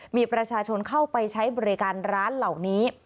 มีประชาชนเข้าไปใช้บริการร้านเหล่านี้